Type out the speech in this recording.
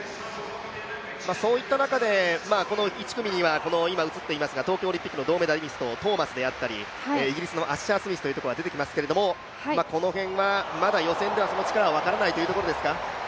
そういった中でこの１組には今映っていますが、東京オリンピックの銅メダリスト、トーマスであったり、イギリスのアッシャースミスというったところが出てきますけど予選ではその力はまだ分からないといったところですか。